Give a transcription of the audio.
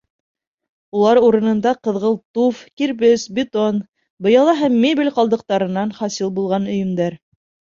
Улар урынында — ҡыҙғылт туф, кирбес, бетон, быяла һәм мебель ҡалдыҡтарынан хасил булған өйөмдәр.